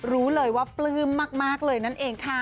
รู้เลยว่าปลื้มมากเลยนั่นเองค่ะ